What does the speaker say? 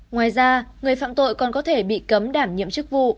ngoài ra người phạm tội còn có thể bị cấm đảm nhiệm chức vụ